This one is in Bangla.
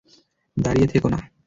দাঁড়িয়ে থেকো না!